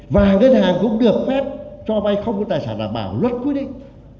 và ngân hàng cũng được phép cho vay không có tài sản là bảo luật quyết định